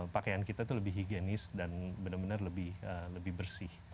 pakaian kita itu lebih higienis dan benar benar lebih bersih